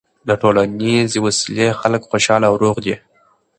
د ټولنیزې وصلۍ خلک خوشحاله او روغ دي.